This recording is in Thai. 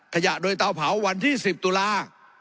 ขยะโดยเตาเผาวันที่๑๐ตุลา